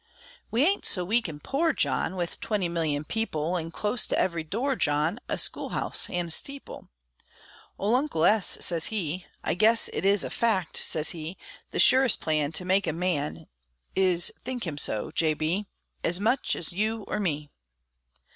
We ain't so weak an' poor, John, With twenty million people, An' close to every door, John, A school house an' a steeple. Ole Uncle S. sez he, "I guess It is a fact," sez he, "The surest plan to make a Man Is, think him so, J. B., Ez much ez you or me!"